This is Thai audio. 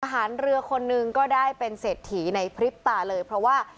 หารเรือคนหนึ่งก็ได้เป็นเศรษฐีในพริบตาเลยเพราะว่า